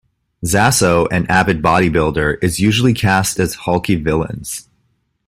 Zaso, an avid bodybuilder, is usually cast as husky villains.